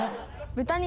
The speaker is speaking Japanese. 豚肉。